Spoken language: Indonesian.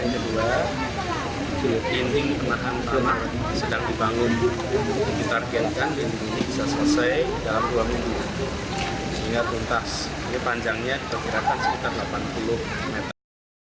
anis berjanji akan kembali membangun dan memperkuat turap yang longsor